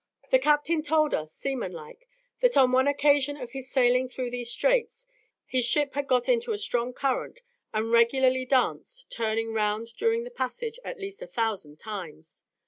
The captain told us, seaman like, that on one occasion of his sailing through these Straits, his ship had got into a strong current, and regularly danced, turning round during the passage at least a thousand times!